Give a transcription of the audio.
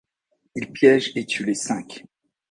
Il piège et tue les cinq.